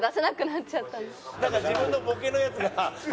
「なんか自分のボケのやつが」